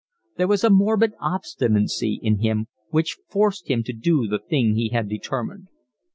There was a morbid obstinacy in him which forced him to do the thing he had determined.